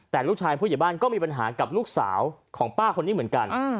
แต่ลูกชายผู้ใหญ่บ้านก็มีปัญหากับลูกสาวของป้าคนนี้เหมือนกัน